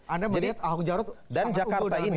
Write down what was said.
anda melihat ahok dan jarot sangat ukur dalam ini